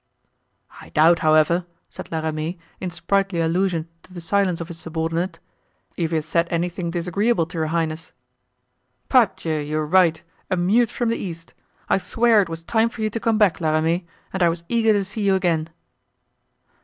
"I doubt, however," said La Ramee, in sprightly allusion to the silence of his subordinate, "if he has said anything disagreeable to your highness." "Pardieu! you are right—a mute from the East! I swear it was time for you to come back, La Ramee, and I was eager to see you again."